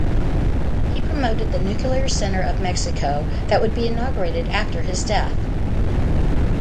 He promoted the Nuclear Center of Mexico that would be inaugurated after his death.